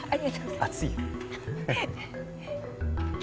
熱いよ